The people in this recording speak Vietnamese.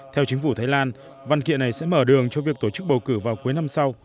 theo chính phủ thái lan văn kiện này sẽ mở đường cho việc tổ chức bầu cử vào cuối năm sau